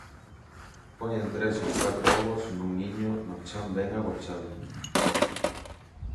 Poñen tres ou catro ovos nun niño no chan ben agochado.